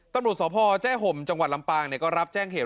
ตำรวจสพแจ้ห่มจังหวัดลำปางก็รับแจ้งเหตุ